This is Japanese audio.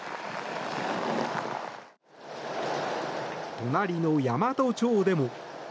隣の山都町でも。